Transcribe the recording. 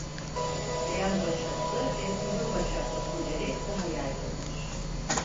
Beyaz başaklı ve kızıl başaklı türleri daha yaygındır.